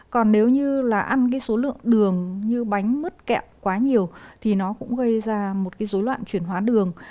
còn nếu như là ăn cái số lượng đường như bánh mứt kẹo quá nhiều thì nó cũng gây ra một cái dối loạn chuyển hóa đường